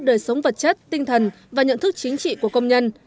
đời sống vật chất tinh thần và nhận thức chính trị của công nhân